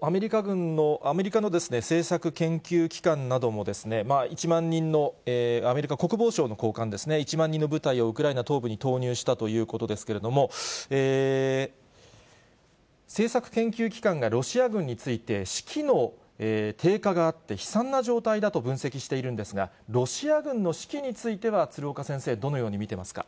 アメリカの政策研究機関なども、１万人の、アメリカ国防省の高官ですね、１万人の部隊をウクライナ東部に投入したということですけれども、政策研究機関がロシア軍について、士気の低下があって、悲惨な状態だと分析しているんですが、ロシア軍の士気については鶴岡先生、どのように見てますか。